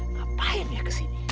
ngapain ya kesini